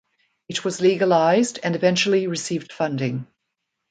It was legalised and eventually received funding.